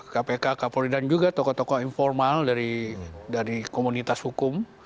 kpk kapolri dan juga tokoh tokoh informal dari komunitas hukum